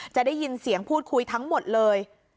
จะได้ยินเสียงพูดคุยทั้งหมดเลย